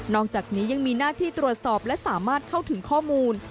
อกจากนี้ยังมีหน้าที่ตรวจสอบและสามารถเข้าถึงข้อมูล